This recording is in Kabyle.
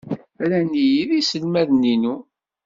Ran-iyi yiselmaden-inu.